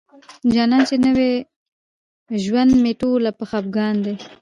جانان چې نوي ژوند مي ټوله په خفګان دی